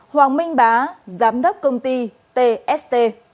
hoàng minh bá giám đốc công ty tst